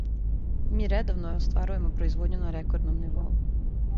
Ми редовно остварујемо производњу на рекордном нивоу.